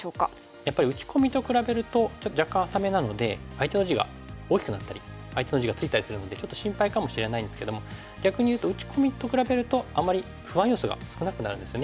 やっぱり打ち込みと比べるとちょっと若干浅めなので相手の地が大きくなったり相手の地がついたりするのでちょっと心配かもしれないんですけども逆にいうと打ち込みと比べるとあまり不安要素が少なくなるんですよね。